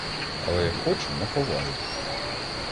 Але я хочу, не ховаю!